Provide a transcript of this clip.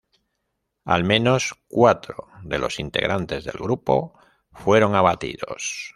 Al menos cuatro de los integrantes del grupo fueron abatidos.